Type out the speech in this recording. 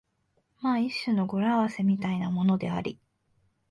まあ一種の語呂合せみたいなものであり、